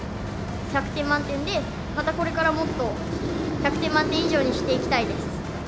１００点満点で、またこれからもっと１００点満点以上にしていきたいです。